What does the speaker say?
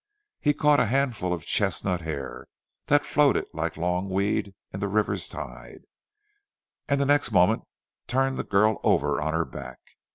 He caught a handful of chestnut hair that floated like long weed in the river's tide, and the next moment turned the girl over on her back.